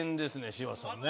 柴田さんね。